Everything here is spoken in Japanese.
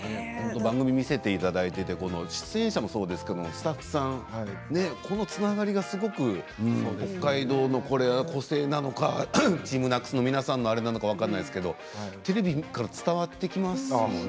番組を見せていただいて出演者もそうですけどスタッフさんとのつながりが個性なのかＴＥＡＭＮＡＣＳの皆さんのあれなのかテレビから伝わってきますもんね。